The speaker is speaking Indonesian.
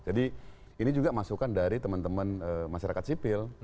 jadi ini juga masukan dari teman teman masyarakat sipil